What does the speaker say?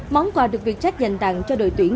món quà được vietjet dành tặng cho đội tuyển